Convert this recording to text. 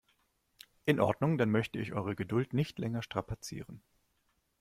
In Ordnung, dann möchte ich eure Geduld nicht länger strapazieren.